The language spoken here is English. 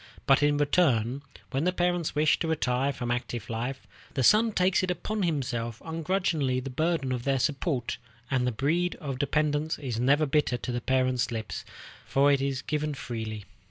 But in return, when the parents wish to retire from active life, the son takes upon himself ungrudgingly the burden of their support, and the bread of dependence is never bitter to the parents' lips, for it is given freely.